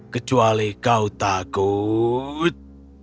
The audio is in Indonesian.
kecuali kau takut